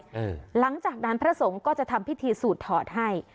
หลังจากนั้นพระสงฆ์ก็จะทำพิธีสูดถอดให้